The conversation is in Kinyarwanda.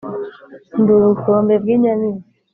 ndi ubukombe bw’ inyamibwa,